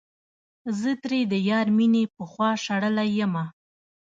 زه ترې د يار مينې پخوا شړلے يمه